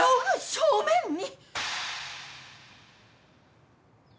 正面に！